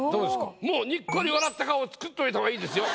もうにっこり笑った顔作っといた方がいいですよ。